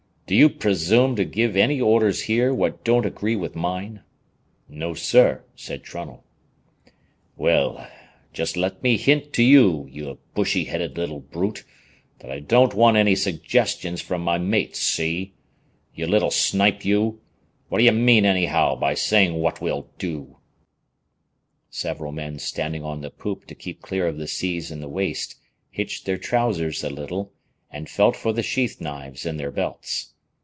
"Do you presume to give any orders here what don't agree with mine?" "No, sir," said Trunnell. "Well, just let me hint to you, you bushy headed little brute, that I don't want any suggestions from my mates, see? You little snipe, you! what d'ye mean, anyhow, by saying what we'll do?" Several men standing on the poop to keep clear of the seas in the waist, hitched their trousers a little, and felt for the sheath knives in their belts.